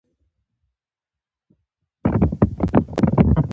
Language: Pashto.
هيله او ناجيه خوشحاله وې او خولې يې له خندا ډکې وې